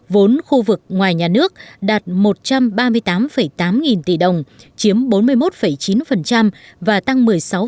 vốn khu vực ngoài nhà nước đạt một trăm ba mươi tám tám nghìn tỷ đồng chiếm bốn mươi một chín và tăng một mươi sáu